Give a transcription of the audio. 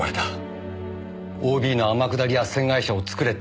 ＯＢの天下り斡旋会社を作れって言われて。